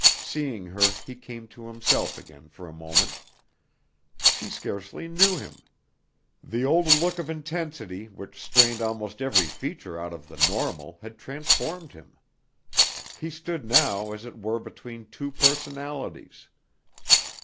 Seeing her he came to himself again for a moment. She scarcely knew him; the old look of intensity which strained almost every feature out of the normal had transformed him. He stood now as it were between two personalities.